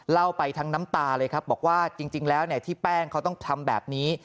เล่าไปทั้งน้ำตาเลยครับบอกว่าจริงแล้วที่แป้งเขาต้องทำแบบนี้